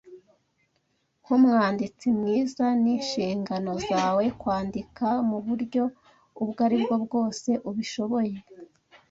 Nkumwanditsi mwiza, ninshingano zawe kwandika muburyo ubwo aribwo bwose ubishoboye